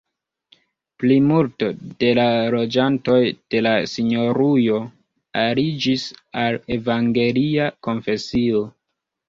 Plimulto de la loĝantoj de la sinjorujo aliĝis al evangelia konfesio.